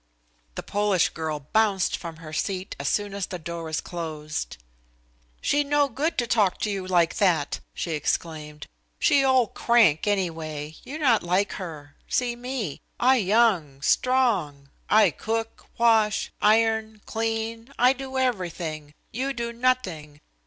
The Polish girl bounced from her seat as soon as the door was closed. "She no good to talk to you like that," she exclaimed. "She old crank, anyway. You not like her. See me I young, strong; I cook, wash, iron, clean. I do everything. You do notting.